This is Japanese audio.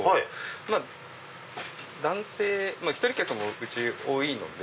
まぁ男性１人客もうち多いので。